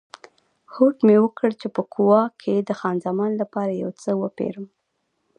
هوډ مې وکړ چې په کووا کې د خان زمان لپاره یو څه وپیرم.